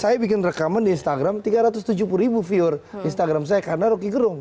saya bikin rekaman di instagram tiga ratus tujuh puluh ribu viewer instagram saya karena roky gerung